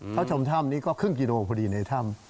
เขาชมถ้ำนี้ก็ครึ่งกิโลพอดีในถ้ำ